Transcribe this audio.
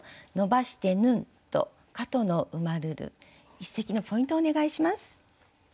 一席のポイントをお願いします。